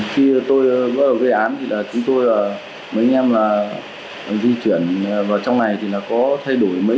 khi tôi bắt đầu gây án thì là chúng tôi mấy anh em di chuyển vào trong này thì là có thay đổi mấy